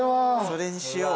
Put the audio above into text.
それにしよう。